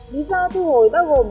lý do thu hồi bao gồm